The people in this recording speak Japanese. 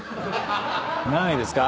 何位ですか？